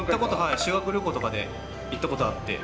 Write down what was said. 修学旅行とかで行ったことあって。